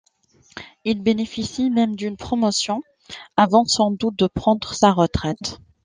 Il bénéficie même d'une promotion, avant sans doute de prendre sa retraite.